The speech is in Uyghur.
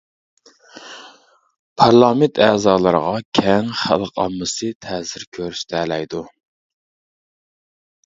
پارلامېنت ئەزالىرىغا كەڭ خەلق ئاممىسى تەسىر كۆرسىتەلەيدۇ.